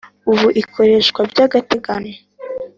Ubu ikoreshwa by agateganyo